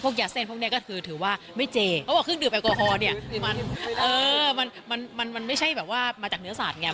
ยาเส้นพวกนี้ก็คือถือว่าไม่เจเขาบอกเครื่องดื่มแอลกอฮอล์เนี่ยมันมันไม่ใช่แบบว่ามาจากเนื้อสัตว์ไง